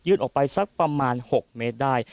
ออกไปสักประมาณ๖เมตรได้